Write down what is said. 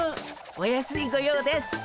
お安いご用です！